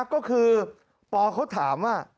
ก็คือปเขาถามว่า